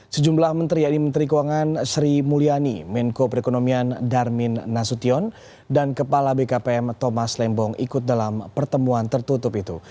sejumlah menteri yaitu menteri keuangan sri mulyani menko perekonomian darmin nasution dan kepala bkpm thomas lembong ikut dalam pertemuan tertutup itu